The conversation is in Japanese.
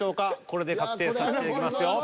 これで確定させていただきますよ。